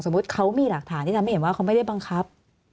เขามีหลักฐานที่ทำให้เห็นว่าเขาไม่ได้บังคับ